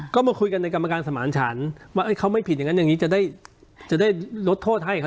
ก็มาคุยกันในกรรมการสมานฉันว่าเขาไม่ผิดอย่างนั้นอย่างนี้จะได้จะได้ลดโทษให้เขา